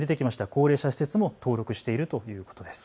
高齢者施設も登録しているということです。